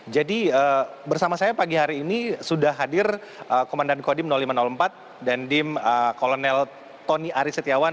jadi bersama saya pagi hari ini sudah hadir komandan kodim lima ratus empat dan dim kolonel tony arisetiawan